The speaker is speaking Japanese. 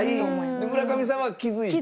で村上さんは気づいた。